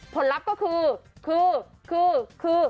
ผลลัพธ์ก็คือ